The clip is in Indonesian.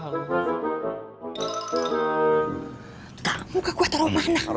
kamu kagak taruh mana